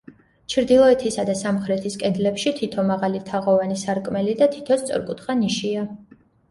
ჩრდილოეთისა და სამხრეთის კედლებში თითო მაღალი თაღოვანი სარკმელი და თითო სწორკუთხა ნიშია.